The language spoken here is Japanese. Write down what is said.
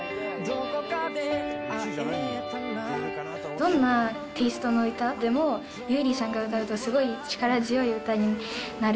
どんなテイストの歌でも、優里さんが歌うとすごい力強い歌になる。